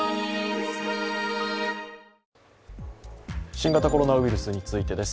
新型コロナウイルスについてです。